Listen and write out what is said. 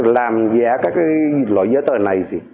làm giả các loại giấy tờ này